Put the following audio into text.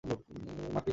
মাকড়ি মতি পাইল না।